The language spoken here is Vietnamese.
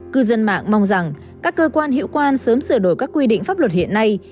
cư dân mạng mong rằng các cơ quan hiệu quan sớm sửa đổi các quy định pháp luật hiện nay